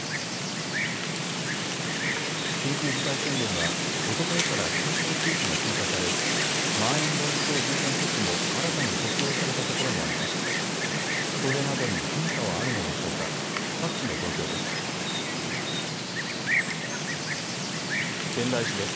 緊急事態宣言は、おとといから対象地域が追加されまん延防止等重点措置も新たに適用されたところもあります。